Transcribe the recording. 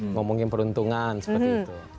ngomongin peruntungan seperti itu